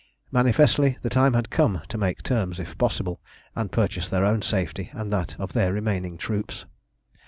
Manifestly the time had come to make terms if possible, and purchase their own safety and that of their remaining troops.